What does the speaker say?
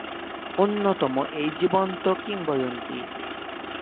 অন্যতম এই জীবন্ত কিংবদন্তি।